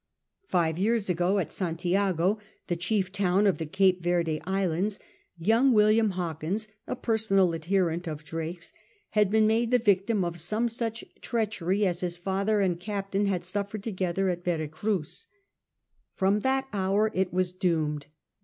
Five j^ears ago at Santiago, the chief town of the Cape Verde Islands, young William Hawkins, a personal adherent of Drake's, had been made the victim of some such treachery as his father and captain had suffered together at Vera Cruz. From that hour it was doomed.